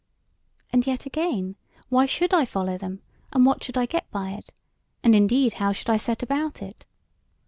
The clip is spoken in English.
And yet again, why should I follow them; and what should I get by it; and indeed how shall I set about it?